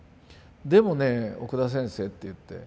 「でもね奥田先生」っていって。